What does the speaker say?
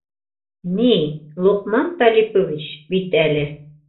Ни, Лоҡман Талипович бит әле...